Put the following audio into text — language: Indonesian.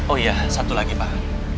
oh iya satu lagi pak